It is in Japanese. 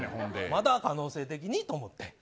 まだ可能性的にと思って。